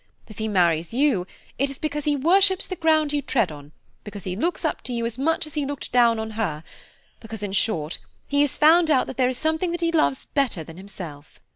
If he marries you, it is because he worships the ground you tread on, because he looks up to you as much as he looked down on her–because, in short, he has found out that there is something that he loves better than himself."